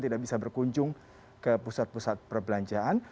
tidak bisa berkunjung ke pusat pusat perbelanjaan